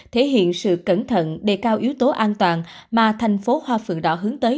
thể hiện sự cẩn thận đề cao yếu tố an toàn mà thành phố hoa phượng đỏ hướng tới